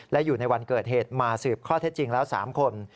และอยู่ในวันเกิดเหตุมาสืบข้อเท็จจริงแล้ว๓คน